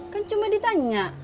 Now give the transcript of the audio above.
kan cuma ditanya